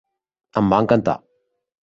Em va encantar.